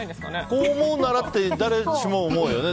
こう思うならって誰しも思うよね。